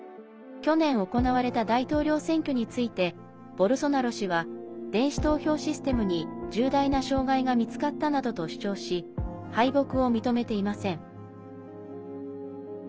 去年行われた大統領選挙についてボルソナロ氏は電子投票システムに重大な障害が見つかったなどと主張し、敗北を認めていません。